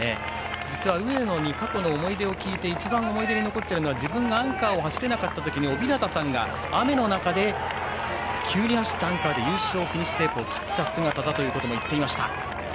実は上野に過去の思い出を聞いて一番思い出に残っているのは自分がアンカーを走れなかった時におびなたさんが雨の中で急に走ったアンカーでフィニッシュテープを切った姿だと言っていました。